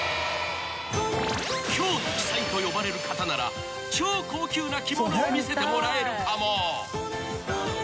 ［京の鬼才と呼ばれる方なら超高級な着物を見せてもらえるかも］